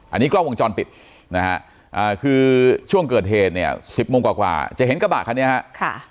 อันนี้กล้องวงจรปิดนะฮะคือช่วงเกิดเหตุเนี่ย๑๐โมงกว่าจะเห็นกระบะคันนี้ฮะ